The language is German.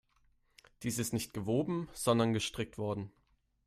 Dies ist nicht gewoben, sondern gestrickt worden.